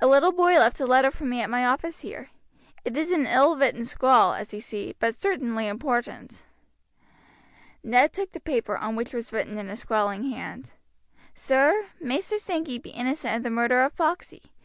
A little boy left a letter for me at my office here; it is an ill written scrawl, as you see, but certainly important." Ned took the paper, on which was written in a scrawling hand: "Sir, Maister Sankey be innocent of the murder of Foxey.